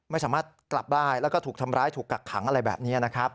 ไม่สามารถกลับได้แล้วก็ถูกทำร้ายถูกกักขังอะไรแบบนี้นะครับ